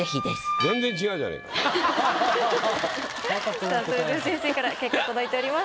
さあそれでは先生から結果届いております。